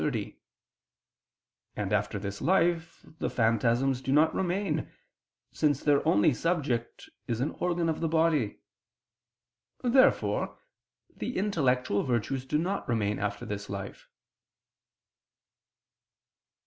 30); and, after this life, the phantasms do not remain, since their only subject is an organ of the body. Therefore the intellectual virtues do not remain after this life.